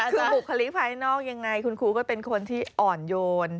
คือบุคลิกภายนอกยังไงคุณครูก็เป็นคนที่อ่อนโยน